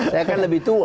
saya kan lebih tua